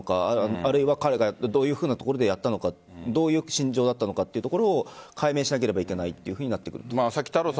あるいは彼がどういうふうなところでやったのかどういう心情だったのかというところを解明しなければいけないと思ってます。